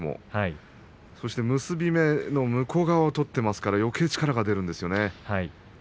そして結び目の向こう側を取っているんでよけい力が出るんですね。